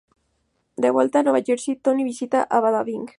De vuelta en Nueva Jersey, Tony visita el Bada Bing!